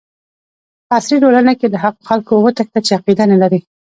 په عصري ټولنه کې له هغو خلکو وتښته چې عقیده نه لري.